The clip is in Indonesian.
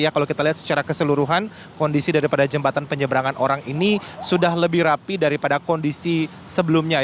kalau kita lihat secara keseluruhan kondisi daripada jembatan penyeberangan orang ini sudah lebih rapi daripada kondisi sebelumnya